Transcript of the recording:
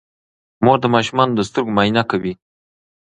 مور د ماشومانو د سترګو معاینه کوي.